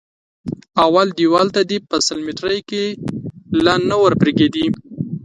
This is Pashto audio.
اول دېوال ته دې په سل ميتري کې لا نه ور پرېږدي.